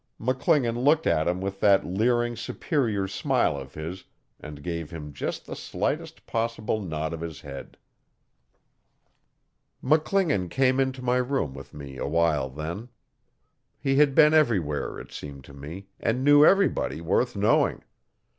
McClingan looked at him with that leering superior smile of his, and gave him just the slightest possible nod of his head. McClingan came into my room with me awhile then. He had been everywhere, it seemed to me, and knew everybody worth knowing.